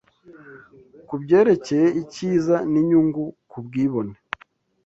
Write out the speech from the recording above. ku byerekeye icyiza n’inyungu Ku bwibone